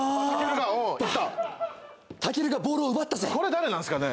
バッタケルがボールを奪ったぜこれ誰なんすかね？